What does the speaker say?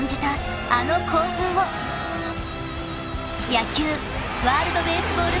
［野球ワールドベースボール